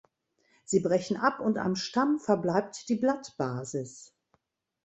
Sie brechen ab und am Stamm verbleibt die Blattbasis.